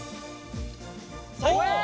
最高！